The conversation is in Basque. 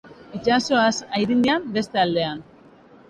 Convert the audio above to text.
Itsasoaz haraindian, beste aldean